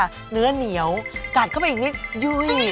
เนื้อเหนียวกัดเข้าไปอีกนิดยุ่ย